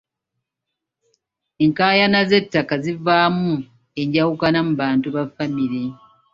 Enkaayana z'ettaka zivaamu enjawukana mu bantu ba famire.